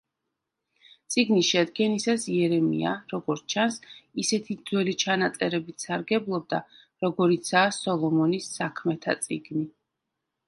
წიგნის შედგენისას იერემია, როგორც ჩანს, ისეთი ძველი ჩანაწერებით სარგებლობდა, როგორიცაა „სოლომონის საქმეთა წიგნი“.